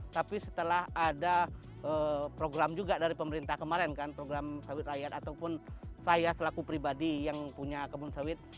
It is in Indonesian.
tapi setelah ada program juga dari pemerintah kemarin kan program sawit rakyat ataupun saya selaku pribadi yang punya kebun sawit